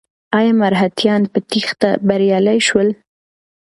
ایا مرهټیان په تېښته بریالي شول؟